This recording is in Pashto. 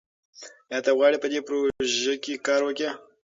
ایا ته غواړې چې په دې پروژه کې کار وکړې؟